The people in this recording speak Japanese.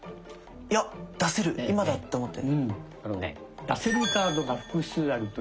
いや「出せる今だ！」って思って。